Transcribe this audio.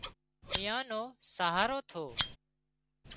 ايئان نو سهارو ٿو